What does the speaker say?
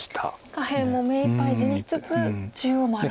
下辺も目いっぱい地にしつつ中央も荒らしてと。